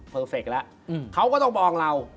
เฟคแล้วเขาก็ต้องมองเรา